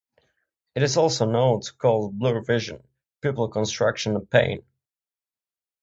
It is also known to cause blurred vision, pupil constriction and pain.